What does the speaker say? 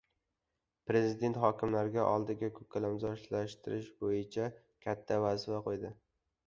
Prezident hokimlar oldiga ko‘kalamzorlashtirish bo‘yicha katta vazifa qo‘ydi